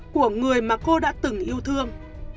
của người mà cô đã từng yêu thương